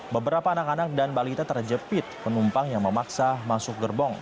beberapa anak anak dan balita terjepit penumpang yang memaksa masuk gerbong